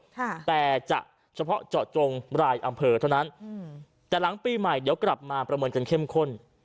แต่จะเฉพาะเจาะจงรายอำเภอเท่านั้นอืมแต่หลังปีใหม่เดี๋ยวกลับมาประเมินกันเข้มข้น